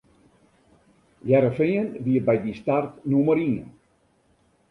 Hearrenfean wie by dy start nûmer ien.